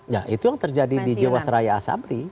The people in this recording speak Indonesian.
nah itu yang terjadi di jiwasraya asabri